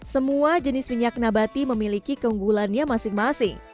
semua jenis minyak nabati memiliki keunggulannya masing masing